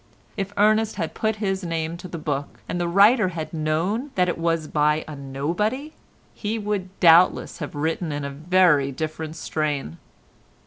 If Ernest had put his name to the book, and the writer had known that it was by a nobody, he would doubtless have written in a very different strain.